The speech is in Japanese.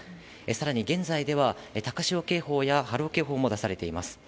さらに現在では、高潮警報や波浪警報も出されています。